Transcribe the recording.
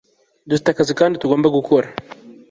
dufite akazi tugomba gukora